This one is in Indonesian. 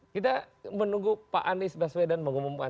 kita menunggu pak anies baswedan mengumumkan